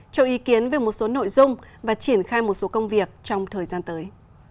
cho ý kiến về một số nội dung và triển khai một số công việc trong thời gian tới